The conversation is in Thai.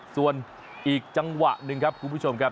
ส่วนอีกจังหวะหนึ่งครับคุณผู้ชมครับ